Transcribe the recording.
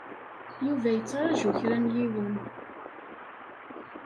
Yuba yettṛaju kra n yiwen.